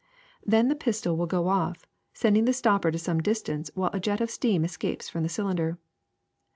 Then the pistol will go off, sending the stopper to some distance, while a jet of steam escapes from the cylinder.